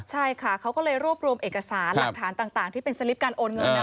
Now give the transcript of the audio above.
ใช่ค่ะเขาก็เลยรวบรวมเอกสารหลักฐานต่างที่เป็นสลิปการโอนเงิน